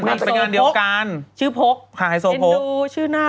ไปงานเดียวกันชื่อโภคค่ะชื่อโภคเจ็ดหนูชื่อหน้ารัก